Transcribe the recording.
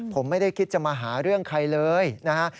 ผมไม่ได้คิดจะมาหาเรื่องใครเลยนะฮะ